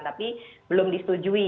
tapi belum disetujui